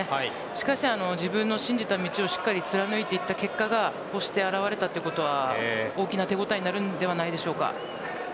しかし自分の信じた道をしっかり貫いていった結果がこうして現れたということは大きな手応えになると思います。